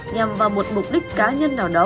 nhằm vào một mục đích cá nhân nào đó